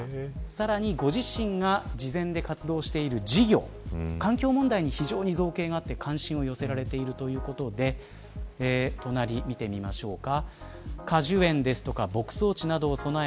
さらにご自身が慈善で活動している事業環境問題に非常に造詣があって関心を寄せられているということで隣、見てみましょうか。